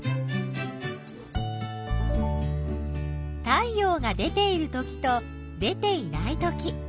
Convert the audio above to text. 太陽が出ているときと出ていないとき。